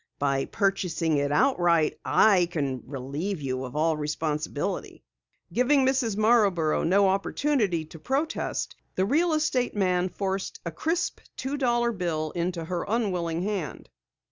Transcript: By purchasing it outright, I can relieve you of all responsibility." Giving Mrs. Marborough no opportunity to protest, the real estate man forced a crisp two dollar bill into her unwilling hand.